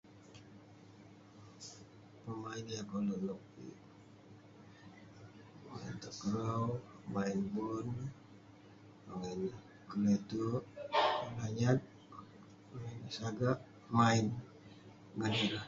pemain yah koluk nouk kik, main takraw, main bon, main kle'terk..kelanyat, main sagak, main ngan ireh..